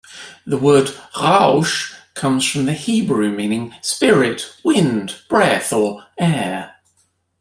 The word "Ruach" comes from the Hebrew meaning "spirit", "wind", "breath", or "air".